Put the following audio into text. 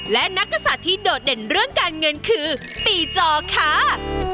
และนักกษัตริย์ที่โดดเด่นเรื่องการเงินคือปีจอค่ะ